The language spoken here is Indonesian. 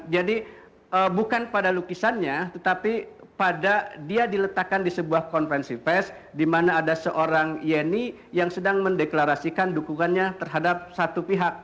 jadi bukan pada lukisannya tetapi pada dia diletakkan di sebuah konvensi fest di mana ada seorang yeni yang sedang mendeklarasikan dukungannya terhadap satu pihak